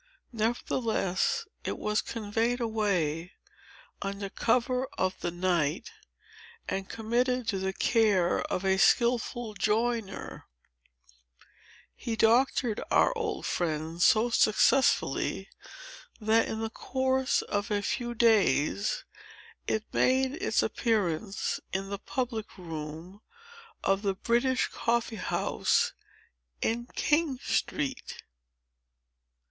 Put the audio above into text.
Nevertheless, it was conveyed away, under cover of the night, and committed to the care of a skilful joiner. He doctored our old friend so successfully, that, in the course of a few days, it made its appearance in the public room of the British Coffee House in King Street."